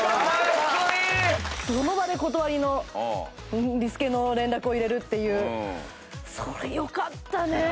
その場で断りのリスケの連絡を入れるっていうそれよかったねえ！